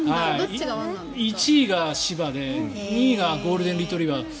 １位が柴犬で２位がゴールデンレトリバー。